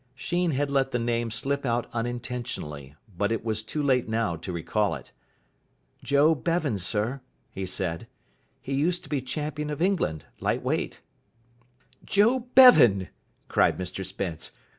Sheen had let the name slip out unintentionally, but it was too late now to recall it. "Joe Bevan, sir," he said. "He used to be champion of England, light weight." "Joe Bevan!" cried Mr Spence.